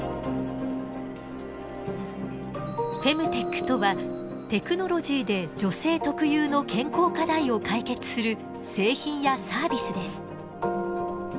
フェムテックとはテクノロジーで女性特有の健康課題を解決する製品やサービスです。